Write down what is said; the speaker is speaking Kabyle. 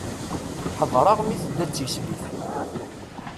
Ḥeḍreɣ mi tedda d tislit.